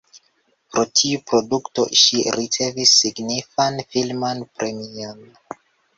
Pro tiu produkto ŝi ricevis signifan filman premion.